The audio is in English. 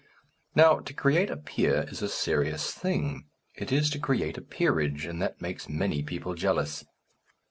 Now, to create a peer is a serious thing; it is to create a peerage, and that makes many people jealous.